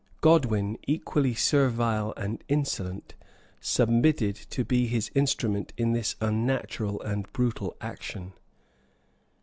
Godwin, equally servile and insolent, submitted to be his instrument in this unnatural and brutal action.